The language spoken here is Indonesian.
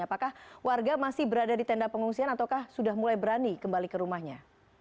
apakah warga masih berada di tenda pengungsian ataukah sudah mulai berani kembali ke rumahnya